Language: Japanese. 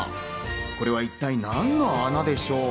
これは一体何の穴でしょう？